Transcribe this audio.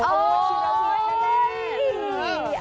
โอ้วัชิรวิษ